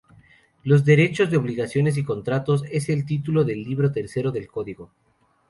Los "Derechos de obligaciones y contratos", es el título del Libro Tercero del Código.